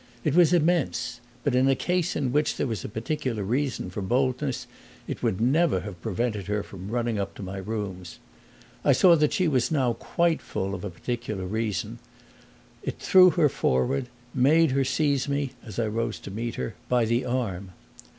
It was immense, but in a case in which there was a particular reason for boldness it never would have prevented her from running up to my rooms. I saw that she was now quite full of a particular reason; it threw her forward made her seize me, as I rose to meet her, by the arm.